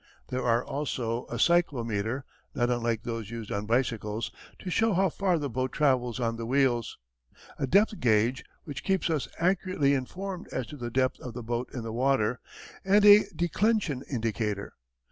There are also a cyclometer, not unlike those used on bicycles, to show how far the boat travels on the wheels; a depth gauge, which keeps us accurately informed as to the depth of the boat in the water, and a declension indicator.